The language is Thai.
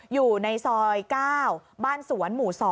อยู่ในซอย๙บ้านสวนหมู่๒